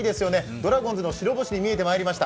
ドラゴンズの白星に見えてきました。